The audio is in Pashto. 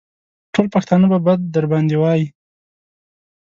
ټول پښتانه به بد در باندې وايي.